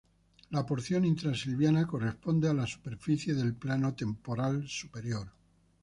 La porción intra-silviana corresponde a la superficie del plano temporal superior.